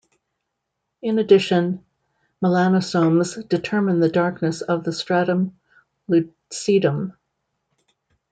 In addition, melanosomes determine the darkness of the stratum lucidum.